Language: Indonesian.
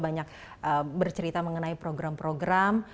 banyak bercerita mengenai program program